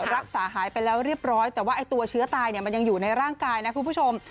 รักษาหายไปแล้วเรียบร้อยแต่ว่าไอ้ตัวเชื้อตายมันยังอยู่ในร่างกายนะคุณผู้ชม